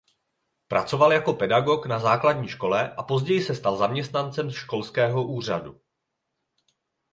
Pracoval jako pedagog na základní škole a později se stal zaměstnancem školského úřadu.